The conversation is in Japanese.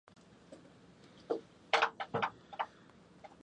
バレンシア県の県都はバレンシアである